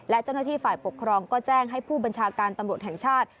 และเจ้าหน้าที่ฝ่ายปกครองก็แจ้งให้ผู้บัญชาการตำรวจแห่งชาติ